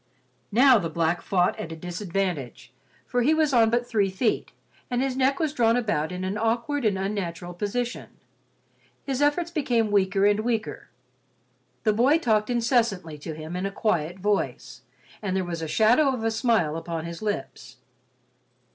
Now the black fought at a disadvantage, for he was on but three feet and his neck was drawn about in an awkward and unnatural position. His efforts became weaker and weaker. The boy talked incessantly to him in a quiet voice, and there was a shadow of a smile upon his lips.